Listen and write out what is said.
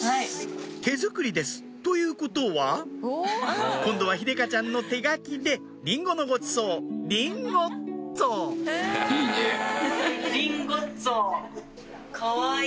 「手作りです」ということは今度は秀香ちゃんの手描きでリンゴのごちそう「りんごっつぉ」「りんごっつぉ」かわいい！